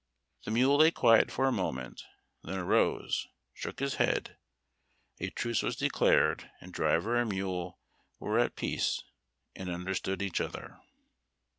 The mule lay quiet for a moment, then arose, shook his head, a truce was declared, and driver and mule were at peace and understood each other.